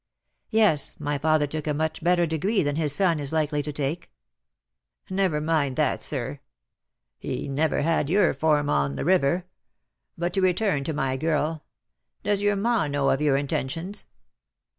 "Yes, my father took a much better degree than his son is likely to take." "Never mind that, sir. He never had your form 70 DEAD LOVE HAS CHAINS. on the river. But to return to my girl. Does your ma know of your intentions?"